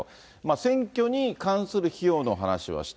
選挙に関する費用の話はした。